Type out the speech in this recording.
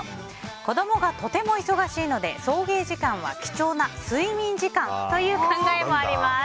子供がとても忙しいので送迎時間は貴重な睡眠時間という考えもあります。